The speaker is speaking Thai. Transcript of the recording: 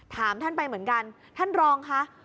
ถามท่านไปเหมือนกันท่านรองค่ะ